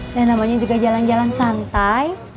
dan namanya juga jalan jalan santai